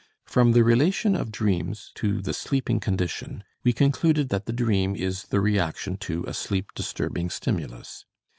From the relation of dreams to the sleeping condition, we concluded that the dream is the reaction to a sleep disturbing stimulus.